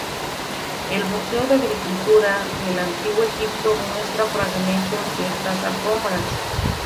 El Museo de Agricultura del Antiguo Egipto muestra fragmentos de estas alfombras.